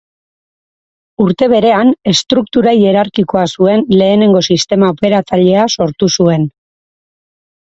Urte berean, estruktura hierarkikoa zuen lehenengo sistema operatzailea sortu zuen.